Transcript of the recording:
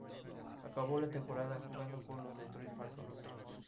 Acabó la temporada jugando con los Detroit Falcons.